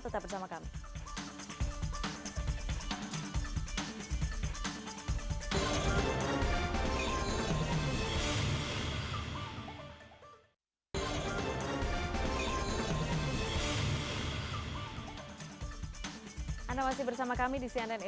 terima kasih pak menteri